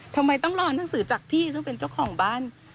ทำไมต้องรอหนังสือจากพี่ซึ่งเป็นเจ้าของบ้าน